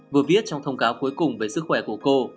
vừa viết trong thông cáo cuối cùng về sức khỏe của cô